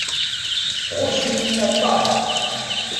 Txuṣṣem-iyi aṭas.